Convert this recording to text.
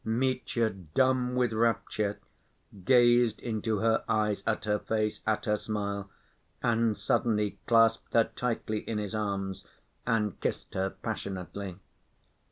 Mitya, dumb with rapture, gazed into her eyes, at her face, at her smile, and suddenly clasped her tightly in his arms and kissed her passionately.